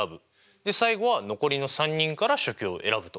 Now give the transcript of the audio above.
で最後は残りの３人から書記を選ぶと。